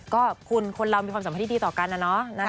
ก็คนเรามีความสัมพันธ์ที่ดีต่อกันนะเนาะ